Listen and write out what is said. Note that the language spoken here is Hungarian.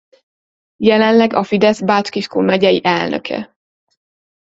Jelenleg a Fidesz Bács-Kiskun megyei elnöke.